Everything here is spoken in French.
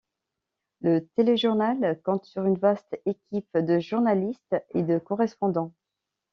Le Téléjournal compte sur une vaste équipe de journalistes et de correspondants.